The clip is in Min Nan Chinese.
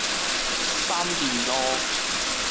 三民路